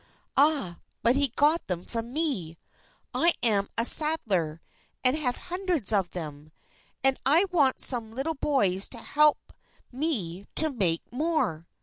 "Ah, but he got them from me! I am a saddler, and have hundreds of them. And I want some little boys to help me to make more."